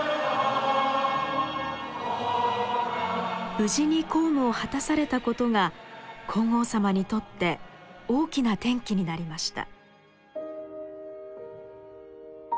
無事に公務を果たされたことが皇后さまにとって大きな転機になりました。